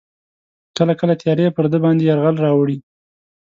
کله کله تیارې پر ده باندې یرغل راوړي.